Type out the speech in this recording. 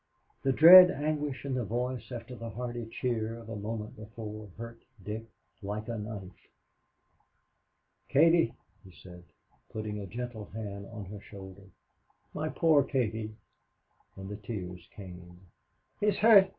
The dread anguish in the voice after the hearty cheer of a moment before hurt Dick like a knife. "Katie," he said, putting a gentle hand on her shoulder "my poor Katie!" and the tears came. "He's hurt!